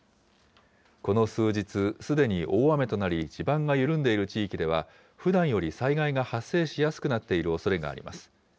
この数日、すでに大雨となり、地盤が緩んでいる地域では、ふだんより災害が発生しやすくなっているおそれがあります。